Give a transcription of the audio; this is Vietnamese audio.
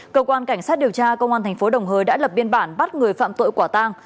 cơ quan cảnh sát điều tra công an thành phố đồng hới đã lập biên bản bắt người phạm tội quả tang